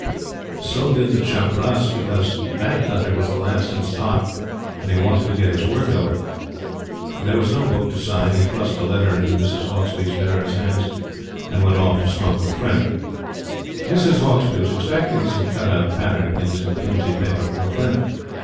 So did the chaprasss, because that letter was the last in stock and he wanted to get his work over. There was no book to sign; he thrust the letter into Mrs. Hauksbee's bearer's hands and went off to smoke with a friend. Mrs. Hauksbee was expecting some cut out pattern things in flimsy paper from a friend.